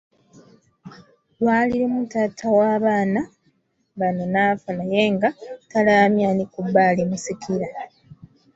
Lwali lumu taata w’abaana bano n'affa naye nga talaamye ani ku bo alimusikira.